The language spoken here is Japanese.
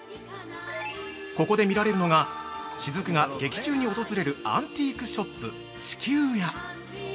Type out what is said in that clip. ここで見られるのが雫が劇中に訪れるアンティークショップ・地球屋。